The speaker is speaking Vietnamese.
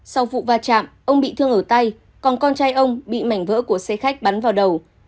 sau vụ va chạm ông bị thương ở tay còn con trai ông bị mảnh vỡ của xe khách bắn vào đầu